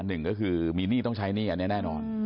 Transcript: หนึ่งก็คือมีหนี้ต้องใช้หนี้อันนี้แน่นอน